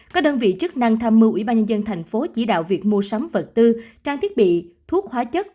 các đơn vị chức năng tham mưu ủy ban nhân dân thành phố chỉ đạo việc mua sắm vật tư trang thiết bị thuốc hóa chất